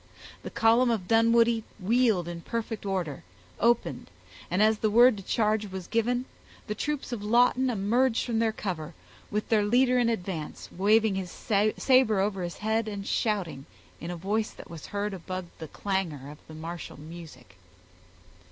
The column of Dunwoodie wheeled in perfect order, opened, and, as the word to charge was given, the troops of Lawton emerged from their cover, with their leader in advance, waving his saber over his head, and shouting, in a voice that was heard above the clangor of the martial music.